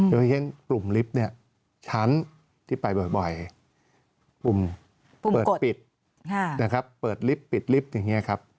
อย่างเช่นปุ่มลิฟต์ชั้นที่ไปบ่อยปุ่มเปิดปิดปิดลิฟต์อย่างนี้ครับ